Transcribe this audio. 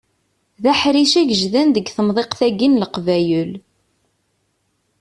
D aḥric agejdan deg temḍiqt-agi n Leqbayel.